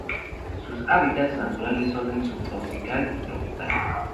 Sus hábitats naturales son el subtropical y tropical.